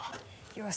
よし。